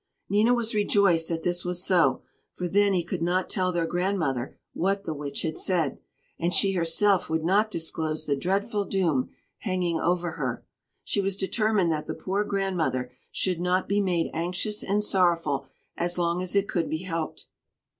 ] Nina was rejoiced that this was so; for then he could not tell their grandmother what the Witch had said, and she herself would not disclose the dreadful doom hanging over her. She was determined that the poor grandmother should not be made anxious and sorrowful as long as it could be helped.